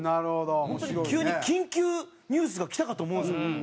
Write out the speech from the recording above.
本当に急に緊急ニュースがきたかと思うんですよ。